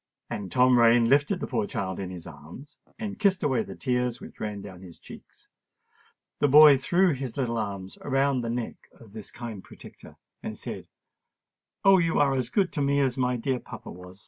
And Tom Rain lifted the poor child in his arms and kissed away the tears which ran down his cheeks. The boy threw his little arms around the neck of his kind protector, and said, "Oh! you are as good to me as my dear papa was."